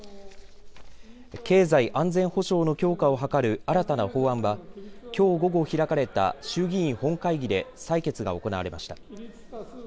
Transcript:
経済安全保障の強化を図る新たな法案はきょう午後、開かれた衆議院本会議で採決が行われました。